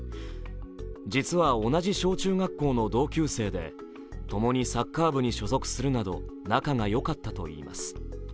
実は同じ小中学校の同級生で共にサッカー部に所属するなど仲がよかったといいます。